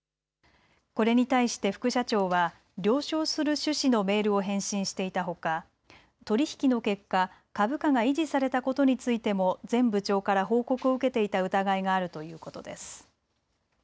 これに対して副社長は了承する趣旨のメールを返信していたほか、取り引きの結果、株価が維持されたことについても前部長から報告を受けていた疑いがあるということです。